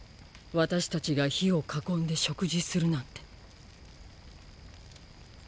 私たちが火を囲んで食事するなんて。